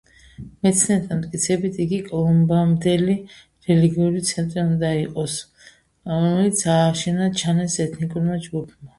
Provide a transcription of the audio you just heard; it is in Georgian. მეცნიერთა მტკიცებით იგი კოლუმბამდელი რელიგიური ცენტრი უნდა იყოს, რომელიც ააშენა ჩანეს ეთნიკურმა ჯგუფმა.